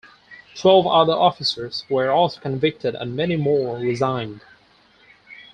Twelve other officers were also convicted and many more resigned.